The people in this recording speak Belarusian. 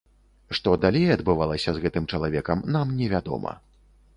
Што далей адбывалася з гэтым чалавекам, нам не вядома.